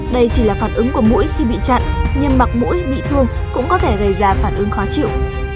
đây chỉ là phản ứng của mũi khi bị chặn nhưng mặc mũi bị thương cũng có thể gây ra phản ứng khó chịu